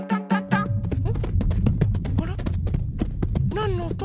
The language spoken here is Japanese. なんのおと？